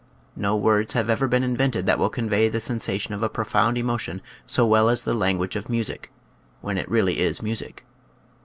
No words have ever been invented that will convey the sensa tion of a profound emotion so well as the lan guage of music — when it really is music.